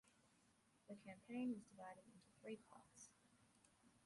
The campaign was divided into three parts.